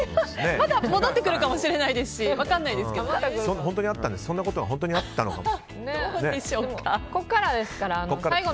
まだ戻ってくるかもしれないですしそんなことが本当にあったのかも。